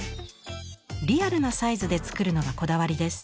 リアルなサイズで作るのがこだわりです。